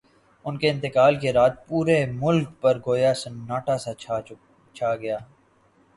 ان کے انتقال کی رات پورے ملک پر گویا سناٹا سا چھا گیا۔